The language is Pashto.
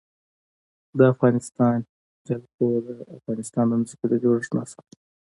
د افغانستان جلکو د افغانستان د ځمکې د جوړښت نښه ده.